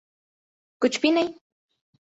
کچھ بھی نہیں۔